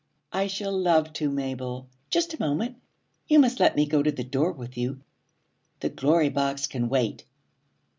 'I shall love to, Mabel. Just a moment! You must let me go to the door with you. The Glory Box can wait.'